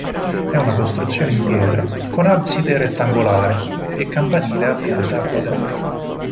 È una costruzione in pietra con abside rettangolare e campanile a pianta quadrata.